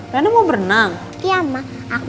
mana suaranya nak